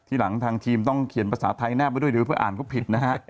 หลังทางทีมต้องเขียนภาษาไทยแนบไปด้วยหรือเพื่ออ่านก็ผิดนะฮะ